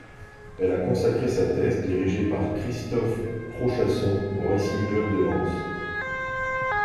Elle a consacré sa thèse, dirigée par Christophe Prochasson, au Racing Club de Lens.